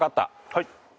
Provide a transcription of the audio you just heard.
はい。